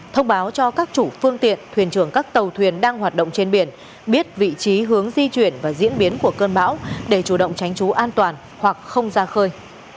thông báo cho các chủ phương tiện thuyền trưởng các tàu thuyền đang hoạt động trên biển biết vị trí hướng di chuyển và diễn biến của cơn bão để chủ động tránh trú an toàn hoặc không ra khơi